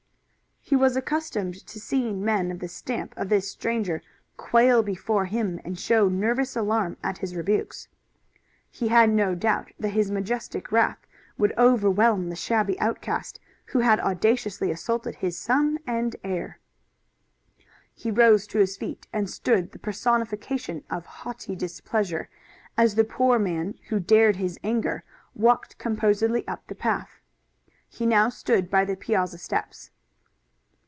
He was accustomed to seeing men of the stamp of this stranger quail before him and show nervous alarm at his rebukes. He had no doubt that his majestic wrath would overwhelm the shabby outcast who had audaciously assaulted his son and heir. He rose to his feet, and stood the personification of haughty displeasure, as the poor man who dared his anger walked composedly up the path. He now stood by the piazza steps.